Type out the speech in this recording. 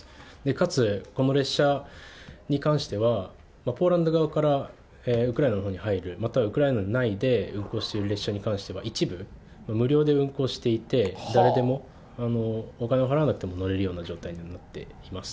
かつこの列車に関しては、ポーランド側からウクライナのほうに入る、またはウクライナ内で運行している列車については一部、無料で運行していて、誰でもお金を払わなくても乗れるような状態になっています。